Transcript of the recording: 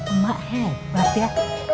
emak hebat ya